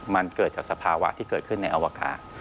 มันเกิดจากสภาวะที่เกิดขึ้นในอวกาศ